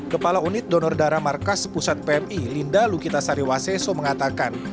kepala unit donor darah markas pusat pmi linda lukita sariwaseso mengatakan